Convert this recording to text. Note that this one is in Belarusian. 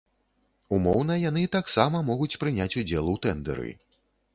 Умоўна, яны таксама могуць прыняць удзел у тэндэры.